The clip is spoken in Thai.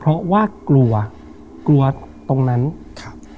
เพราะว่ากลัวกลัวตรงนั้นครับ